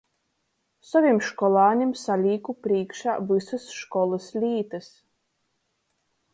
Sovim školānim salīku prīškā vysys školys lītys.